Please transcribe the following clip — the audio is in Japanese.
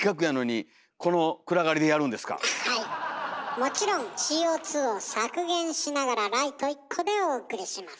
もちろんＣＯを削減しながらライト１個でお送りします。